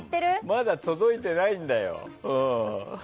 まだ届いてないんだよ。